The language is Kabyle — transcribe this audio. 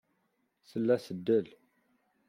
Tella tdel.